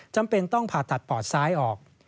จำเป็นต้องผ่าตัดปอดซ้ายออก